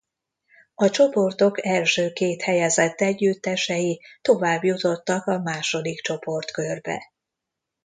A csoportok első két helyezett együttesei továbbjutottak a második csoportkörbe.